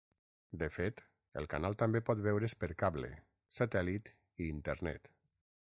De fet, el canal també pot veure's per cable, satèl·lit i internet.